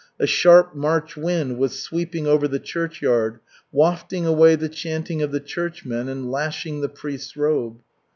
A sharp March wind was sweeping over the churchyard, wafting away the chanting of the churchmen and lashing the priest's robe.